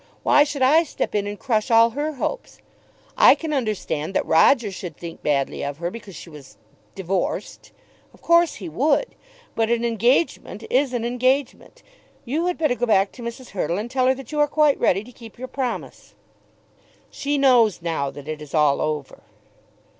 Why should I step in and crush all her hopes? I can understand that Roger should think badly of her because she was divorced. Of course he would. But an engagement is an engagement. You had better go back to Mrs. Hurtle and tell her that you are quite ready to keep your promise." [Illustration: "You had better go back to Mrs. Hurtle."] "She knows now that it is all over."